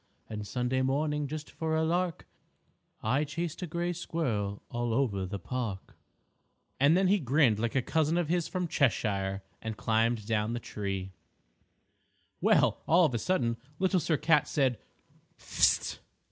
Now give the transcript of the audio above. And Sunday morning, just for a lark, I chased a gray squirrel all over the Park!_" and then he grinned like a cousin of his from Cheshire, and climbed down the tree. [Illustration: LITTLE SIR CAT HELPS PIGGIE] Well, all of a sudden, Little Sir Cat said "Phist!"